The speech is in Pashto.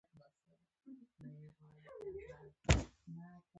خپل خوب او خیال په یاد کې تازه وساتئ.